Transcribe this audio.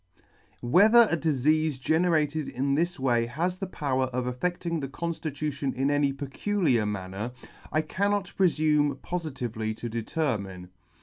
Whether a difeafe generated in this way has the power of aflfedting the conftitution in any peculiar manner, I cannot pre fume pofitively to determine.